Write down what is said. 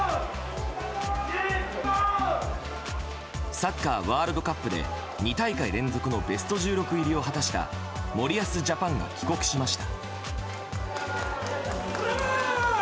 サッカーワールドカップで２大会連続のベスト１６入りを果たした森保ジャパンが帰国しました。